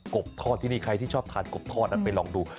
บกทอดที่นี่ใครที่ชอบทานกบทอดนั้นไปลองดู